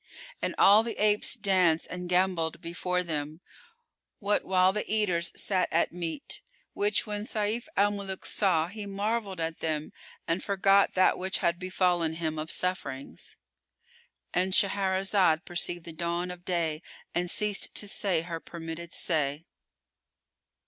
And all the apes danced and gambolled before them, what while the eaters sat at meat; which when Sayf al Muluk saw, he marvelled at them and forgot that which had befallen him of sufferings.——And Shahrazad perceived the dawn of day and ceased to say her permitted say.